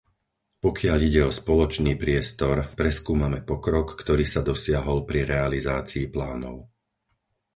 Pokiaľ ide o spoločný priestor, preskúmame pokrok, ktorý sa dosiahol pri realizácii plánov.